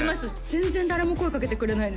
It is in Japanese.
全然誰も声かけてくれないんです